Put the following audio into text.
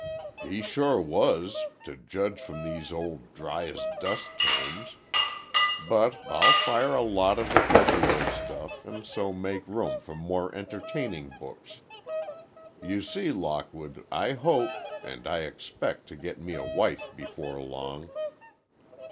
"He sure was—to judge from these old dry as dust tomes. But, I'll fire a lot of the poky old stuff, and so make room for more entertaining books. You see, Lockwood, I hope—and I expect to get me a wife before long."